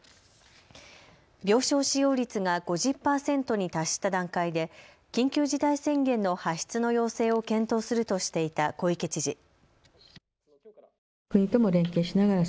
病床使用率が５０％に達した段階で緊急事態宣言の発出の要請を検討するとしていた小池知事。